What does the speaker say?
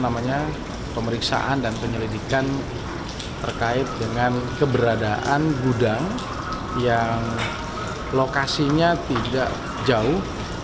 namanya pemeriksaan dan penyelidikan terkait dengan keberadaan gudang yang lokasinya tidak jauh